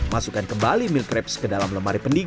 masukkan kembali milk crepes dan pastry cream